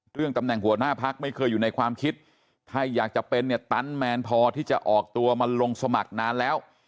ตำแหน่งหัวหน้าพักไม่เคยอยู่ในความคิดถ้าอยากจะเป็นเนี่ยตันแมนพอที่จะออกตัวมาลงสมัครนานแล้ว